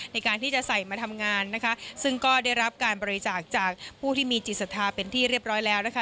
ในการที่จะใส่มาทำงานนะคะซึ่งก็ได้รับการบริจาคจากผู้ที่มีจิตศรัทธาเป็นที่เรียบร้อยแล้วนะคะ